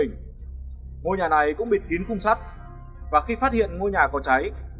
ngôi nhà này cũng bịt kín khung sắt và khi phát hiện ngôi nhà có cháy